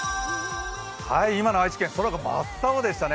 今の愛知県、空が真っ青でしたね。